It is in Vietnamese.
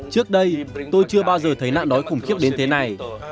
trước đây tôi chưa bao giờ thấy nạn đói khủng khiếp đến thế này